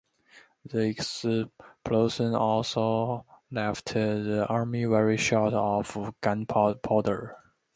The explosion also left the army very short of gunpowder.